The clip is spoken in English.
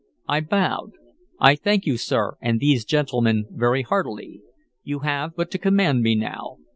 I bowed. "I thank you, sir, and these gentlemen very heartily. You have but to command me now.